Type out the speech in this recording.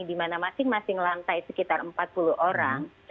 di mana masing masing lantai sekitar empat puluh orang